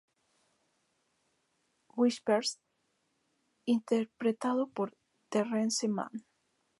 Whispers interpretado por Terrence Mann.